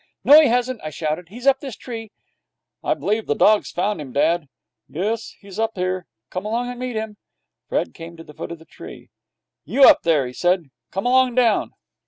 'No he hasn't!' I shouted. 'He's up this tree.' 'I believe the dog's found him, dad!' 'Yes, he's up here. Come along and meet him.' Fred came to the foot of the tree. 'You up there,' he said, 'come along down.'